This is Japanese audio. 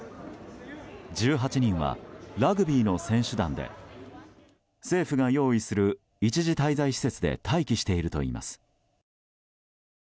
１８人はラグビーの選手団で政府が用意する一時滞在施設で待機しているといいます。